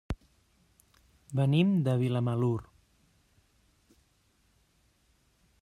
Venim de Vilamalur.